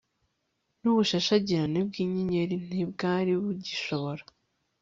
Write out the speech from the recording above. n'ubushashagirane bw'inyenyeri ntibwari bugishobora